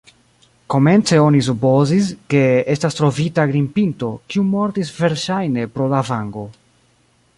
Komence oni supozis, ke estas trovita grimpinto, kiu mortis verŝajne pro lavango.